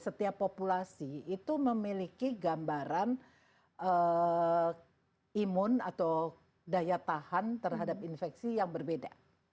setiap populasi itu memiliki gambaran imun atau daya tahan terhadap infeksi yang berbeda